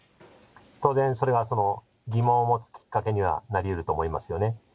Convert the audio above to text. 当然、それは疑問を持つきっかけにはなりうると思いますよね。